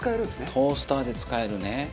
トースターで使えるね。